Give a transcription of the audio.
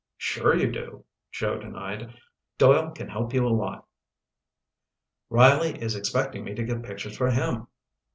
"Sure you do," Joe denied. "Doyle can help you a lot." "Riley is expecting me to get pictures for him."